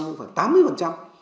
không phải tám mươi phần trăm